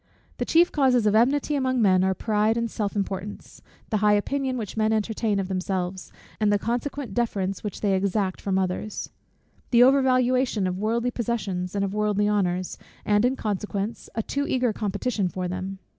The chief causes of enmity among men are, pride and self importance, the high opinion which men entertain of themselves, and the consequent deference which they exact from others: the over valuation of worldly possessions and of worldly honours, and in consequence, a too eager competition for them.